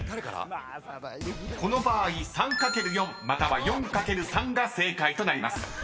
［この場合「３×４」または「４×３」が正解となります］